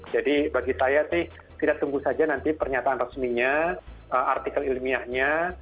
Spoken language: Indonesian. jadi bagi saya tidak tunggu saja nanti pernyataan resminya artikel ilmiahnya